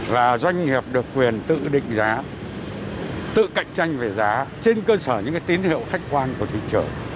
và doanh nghiệp được quyền tự định giá tự cạnh tranh về giá trên cơ sở những tín hiệu khách quan của thị trường